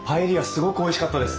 すごくおいしかったです。